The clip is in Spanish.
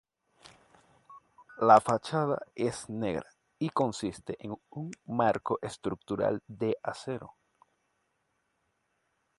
La fachada es negra, y consiste en un marco estructural de acero.